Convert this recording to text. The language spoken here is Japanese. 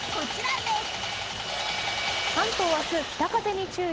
関東は明日、北風に注意。